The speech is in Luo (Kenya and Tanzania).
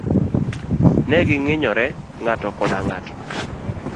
Negi ngiyore ng'ato koda ng' ato.